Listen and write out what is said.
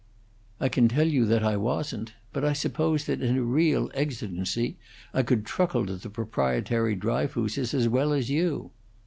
"I can tell you that I wasn't. But I suppose that in a real exigency, I could truckle to the proprietary Dryfooses as well as you."